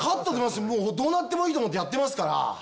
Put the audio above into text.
もうどうなってもいいと思ってやってますから。